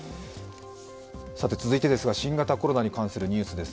続いてですが、新型コロナに関するニュースです。